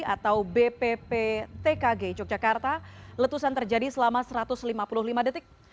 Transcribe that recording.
atau bpptkg yogyakarta letusan terjadi selama satu ratus lima puluh lima detik